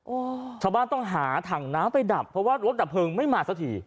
โอ้โหชาวบ้านต้องหาถังน้ำไปดับเพราะว่ารถดับเพลิงไม่มาสักที